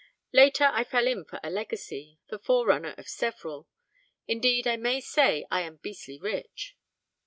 Later I fell in for a legacy, the forerunner of several; indeed, I may say I am beastly rich.